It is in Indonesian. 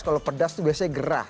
kalau pedas biasanya gerah